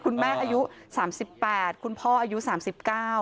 คุณแม่อายุสามสิบแปดคุณพ่ออายุสามสิบเก้า